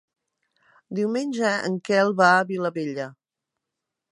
Diumenge en Quel va a Vilabella.